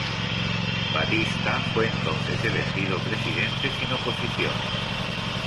Batista fue entonces elegido presidente sin oposición.